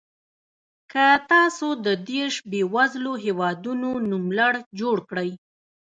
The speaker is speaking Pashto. که تاسو د دېرش بېوزلو هېوادونو نوملړ جوړ کړئ.